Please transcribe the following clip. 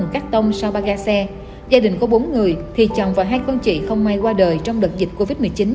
có bốn người thì chồng và hai con chị không may qua đời trong đợt dịch covid một mươi chín